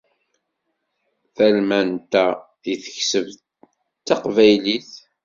Talmant-a i d-tekseb Teqbaylit.